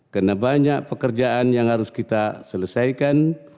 karena banyak pekerjaan yang harus kita selesaikan